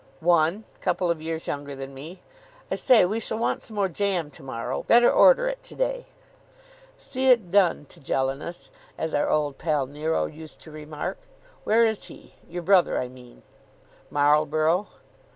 "One. Couple of years younger than me. I say, we shall want some more jam to morrow. Better order it to day." "See it done, Tigellinus, as our old pal Nero used to remark. Where is he? Your brother, I mean." "Marlborough."